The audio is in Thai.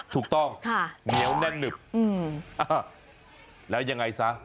ถูกต้อง